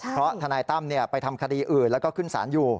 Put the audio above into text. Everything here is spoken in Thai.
เพราะทนายตั้มไปทำคดีอื่นแล้วก็ขึ้นสารอยู่